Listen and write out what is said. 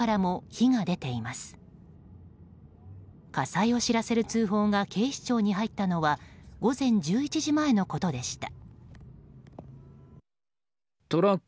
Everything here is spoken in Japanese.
火災を知らせる通報が警視庁に入ったのは午前１１時前のことでした。